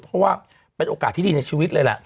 เพราะว่าเป็นโอกาสที่ดีในชีวิตเลยแหละ